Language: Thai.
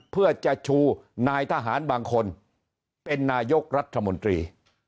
เพื่อจะชูนายทหารบางคนเป็นนายกรัฐมนตรี